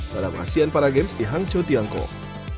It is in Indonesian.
dalam asean paragames di hangzhou tiangkong